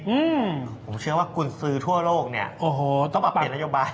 ผมเชื่อว่าคุณซื้อทั่วโลกต้องมาเปลี่ยนระยะบาย